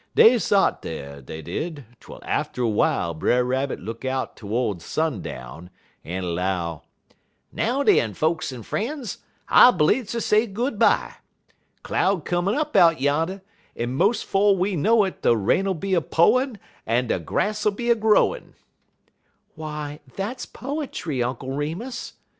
Dey sot dar, dey did, twel atter w'ile Brer Rabbit look out todes sundown, en 'low: "'Now, den, folks and fr'en's, I bleedz ter say goo' bye. Cloud comin' up out yan, en mos' 'fo' we know it de rain 'll be a po'in' en de grass 'll be a growin'.'" "Why, that's poetry, Uncle Remus!"